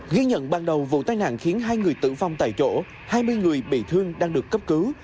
ghi nhận ban đầu vụ tai nạn khiến hai người tử vong tại chỗ hai mươi người bị thương đang được cấp cứu